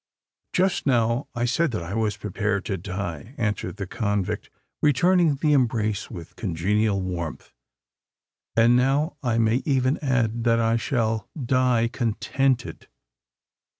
"Just now I said that I was prepared to die," answered the convict, returning the embrace with congenial warmth; "and now I may even add that I shall die contented!"